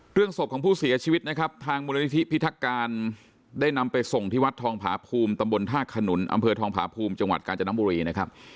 เรื่องสพลของผู้เสียชีวิตนะครับทางมูลนิธิพิธากรได้นำไปส่งที่วัดทองผาพภูมิตฮขนุนอทองผาพภูมิจกาจน้ำบุหรีนะครับ